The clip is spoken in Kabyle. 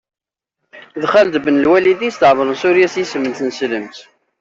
D Xaled Ben Lwalid i yestɛemren Surya s yisem n tneslemt.